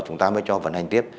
chúng ta mới cho vận hành tiếp